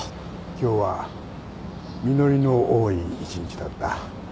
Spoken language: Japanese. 今日は実りの多い一日だった。